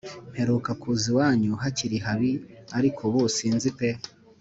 Mperuka kuza iwanyu hacyiri habi Ariko ubu sinzi pe